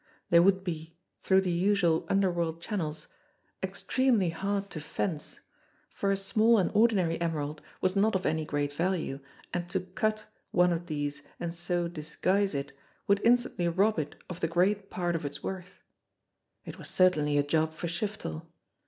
They would be, through the usual underworld channels, extremely hard to "fence"; for a small and ordinary emerald was not of any great value, and to "cut" one of these and so disguise it, would instantly rob it of the great part of its worth. It was certainly a job for Shiftel!